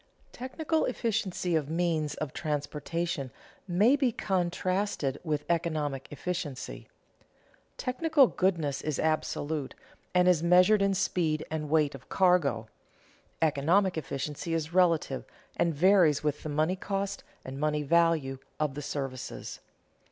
Technical efficiency of means of transportation may be contrasted with economic efficiency. Technical goodness is absolute, and is measured in speed and weight of cargo; economic efficiency is relative, and varies with the money cost and money value of the services.